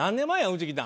うち来たん。